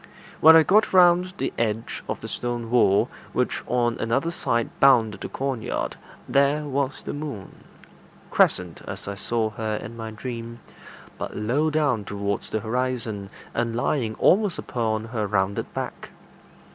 When I got round the edge of the stone wall, which on another side bounded the corn yard, there was the moon crescent, as I saw her in my dream, but low down towards the horizon, and lying almost upon her rounded back.